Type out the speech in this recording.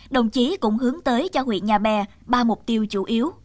đồng chí cũng hướng tới cho huyện nhà bè ba mục tiêu chủ yếu